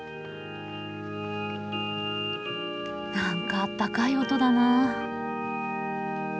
なんかあったかい音だなあ。